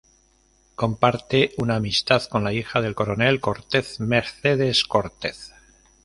Comparte una "amistad" con la hija del Coronel Cortez, Mercedes Cortez.